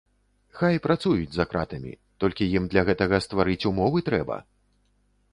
Хай працуюць за кратамі, толькі ім для гэтага стварыць умовы трэба!